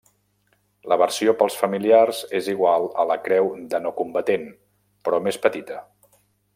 La versió pels familiars és igual a la creu de no-combatent, però més petita.